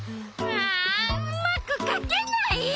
ああうまくかけない！